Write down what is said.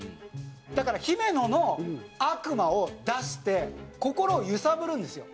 だから姫野の悪魔を出して心を揺さぶるんですよ。